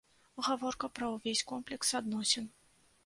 Гаворка пра ўвесь комплекс адносін.